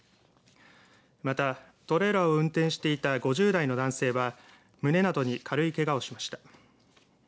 また、トレーラーを運転してた５０代の男性は胸などに軽いけがをしました。